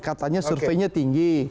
katanya surveinya tinggi